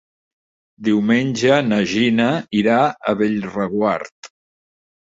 Diumenge na Gina irà a Bellreguard.